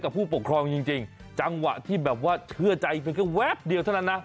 คู่กันสบัดข่าว